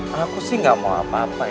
aku sih gak mau apa apa